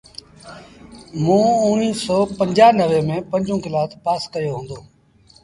موݩ اُڻيٚه سو پنجآنويٚ ميݩ پنجون ڪلآس پآس ڪيو هُݩدو۔